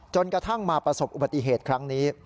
จนกระทั่งมาประสบอุบัติเหตุครั้งนี้